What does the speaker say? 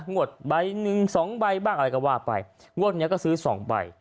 งวดใบ๑๒ใบบ้างอะไรก็ว่าไปงวดนี้ก็ซื้อ๒ใบ